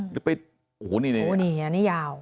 หรือไปโหหนีอย่างนี้ยาว